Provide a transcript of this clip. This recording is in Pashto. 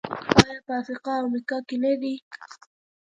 آیا په افریقا او امریکا کې نه دي؟